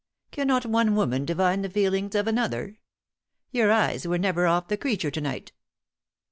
"Cannot one woman divine the feelings of another? Your eyes were never off the creature to night."